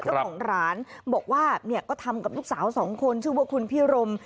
เจ้าของร้านบอกว่าเนี่ยก็ทำกับลูกสาวสองคนชื่อว่าคุณพี่รม